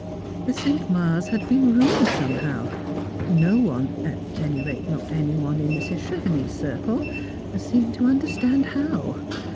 The Cinqmars had been ruined somehow ; no one — at any rate not any one iu Mrs. Chevenix's circle — seemed to understand how.